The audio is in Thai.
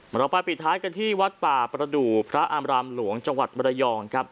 เราไปปิดท้ายกันที่วัดป่าประดูกพระอามรามหลวงจังหวัดมรยองครับ